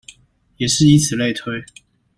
也就是以此類推